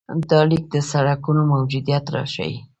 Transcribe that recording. دا لیک د سړکونو موجودیت راښيي.